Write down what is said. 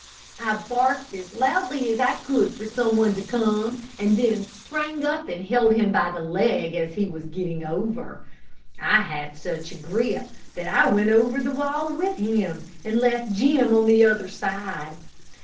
I barked as loudly as I could for some one to come, and then sprang up and held him by the leg as he was getting over. I had such a grip, that I went over the wall with him, and left Jim on the other side.